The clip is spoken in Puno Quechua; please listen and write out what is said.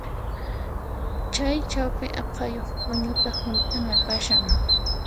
Chay chawpi aqhayuq p'uñuta hunt'ana kashan.